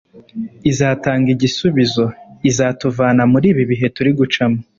izatanga igisubizo. izatuvana muri ibi bihe turi gucamo.